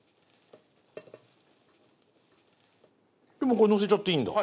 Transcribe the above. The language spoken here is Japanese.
これのせちゃっていいんだ？